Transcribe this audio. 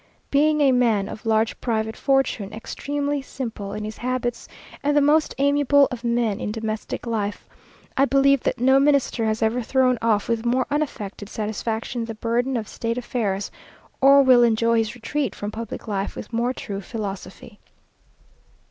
Being a man of large private fortune, extremely simple in his habits, and the most amiable of men in domestic life, I believe that no Minister has ever thrown off with more unaffected satisfaction the burden of state affairs, or will enjoy his retreat from public life with more true philosophy.